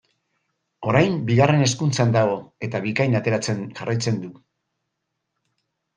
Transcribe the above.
Orain Bigarren Hezkuntzan dago eta Bikain ateratzen jarraitzen du.